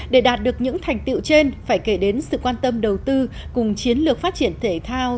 để đạt được những thành tiệu trên phải kể đến sự quan tâm đầu tư cùng chiến lược phát triển thể thao